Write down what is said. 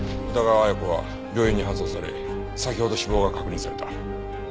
宇田川綾子は病院に搬送され先ほど死亡が確認された。